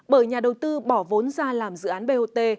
bởi nhà đầu tư bỏ vốn ra làm dự án bot